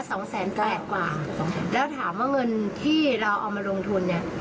สองแสนแปดกว่าแล้วถามว่าเงินที่เราเอามาลงทุนเนี้ย